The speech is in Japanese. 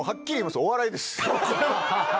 お笑いです。